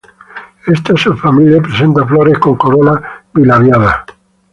Esta subfamilia presenta flores con corola bilabiada.